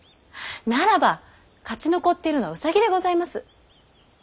ならば勝ち残っているのは兎でございます。